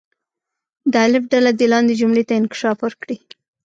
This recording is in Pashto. د الف ډله دې لاندې جملې ته انکشاف ورکړي.